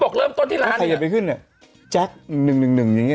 เขาบอกเริ่มต้นที่ร้านนึงถ้าใครจะไปขึ้นเนี่ยแจ๊กหนึ่งหนึ่งหนึ่งอย่างเงี้ย